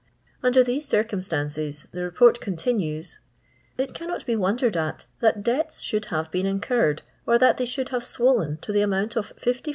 Under these circumstances, the Aeport con tinues, " It cannot be wondered at that debts should have been incurred, or that they should have swollen to the amount of 54,000^.